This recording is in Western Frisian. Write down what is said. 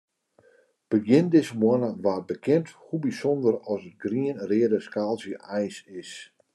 Begjin dizze moanne waard bekend hoe bysûnder as it grien-reade skaaltsje eins is.